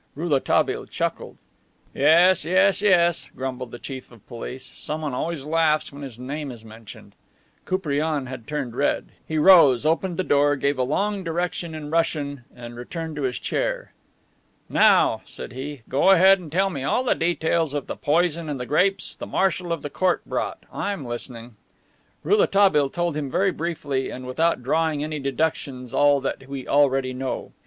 Rouletabille chuckled. "Yes, yes, yes," grumbled the Chief of Police. "Someone always laughs when his name is mentioned." Koupriane had turned red. He rose, opened the door, gave a long direction in Russian, and returned to his chair. "Now," said he, "go ahead and tell me all the details of the poison and the grapes the marshal of the court brought. I'm listening." Rouletabille told him very briefly and without drawing any deductions all that we already know.